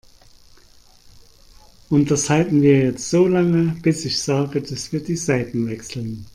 Und das halten wir jetzt so lange, bis ich sage, dass wir die Seiten wechseln.